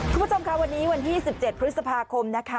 คุณผู้ชมค่ะวันนี้วันที่๑๗พฤษภาคมนะคะ